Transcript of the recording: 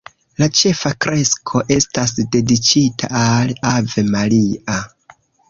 La ĉefa fresko estas dediĉita al Ave Maria.